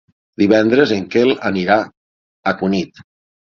Divendres en Quel irà a Cunit.